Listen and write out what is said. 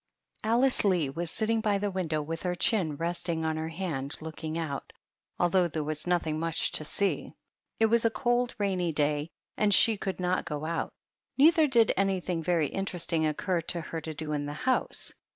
Alice Lee was sitting by the window with her chin resting on her hand looking out, al though there was nothing much to see. It was a cold, rainy day, and she could not go out; neither did anything very interesting occur to her to do in the house.